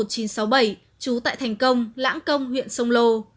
trú tại thành công lãng công huyện sông lô